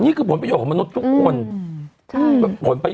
นี่คือผลประโยชน์ของมนุษย์ทุกคน